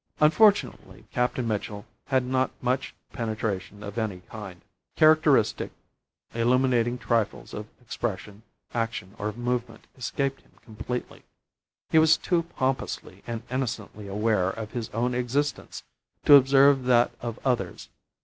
Unfortunately, Captain Mitchell had not much penetration of any kind; characteristic, illuminating trifles of expression, action, or movement, escaped him completely. He was too pompously and innocently aware of his own existence to observe that of others.